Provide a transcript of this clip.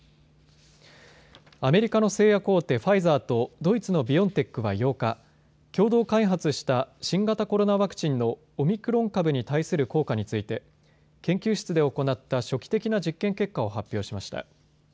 アメリカの製薬大手ファイザーとドイツのビオンテックは８日、共同開発した新型コロナワクチンのオミクロン株に対する効果について研究室で行った初期的な実験結果を発表しました。